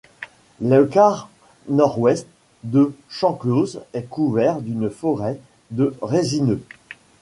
Le quart nord-ouest de Champclause est couvert d'une forêt de résineux.